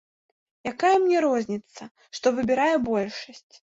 Якая мне розніцца, што выбірае большасць.